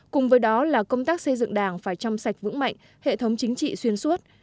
cùng với đó là công tác xây dựng đảng phải chăm sạch vững mạnh hệ thống chính trị xuyên suốt